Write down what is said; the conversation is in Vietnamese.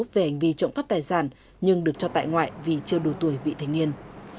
về hành vi trộm cắp tài sản nhưng được cho tại ngoại vì chưa đủ tuổi vị thành niên